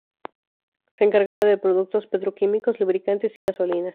Se encargaba de productos petroquímicos, lubricantes y gasolina.